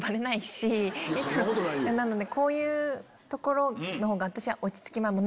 なのでこういうところのほうが私は落ち着きます。